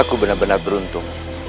aku bener bener beruntung